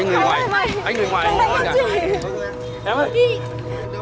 anh người ngoài anh người ngoài đừng đánh em chị